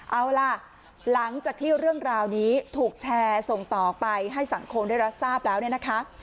เอาล่ะหลังจากที่เรื่องราวนี้ถูกแชร์ส่งต่อไปให้สังคมได้รับทราบแล้วเนี่ยนะคะ